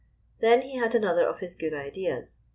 Then he had another of his good ideas.